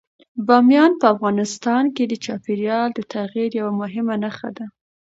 بامیان په افغانستان کې د چاپېریال د تغیر یوه مهمه نښه ده.